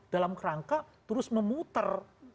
dalam rangka terus memutar